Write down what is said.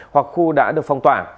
hoặc khu đã được phong tỏa